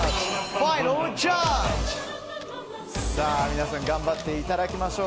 皆さん頑張っていただきましょう。